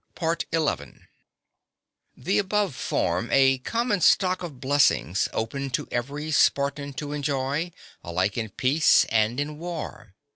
(7) See Plut. "Lycurg." 1. XI The above form a common stock of blessings, open to every Spartan to enjoy, alike in peace and in war.